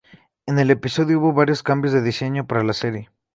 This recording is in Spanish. En el episodio hubo varios cambios de diseño para la serie.